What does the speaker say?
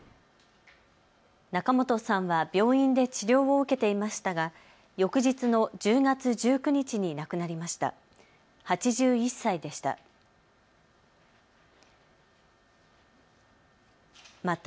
仲本さんは病院で治療を受けていましたが翌日の１０月１９日に亡くなりました。